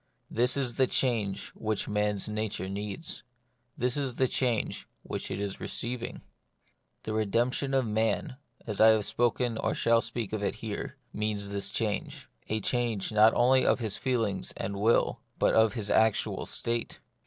This is the change which man's nature needs : this is the change which it is receiving. The redemption of man, as I have spoken or shall speak of it here, means this change ; a change not only of his feelings and will, but of his actual state.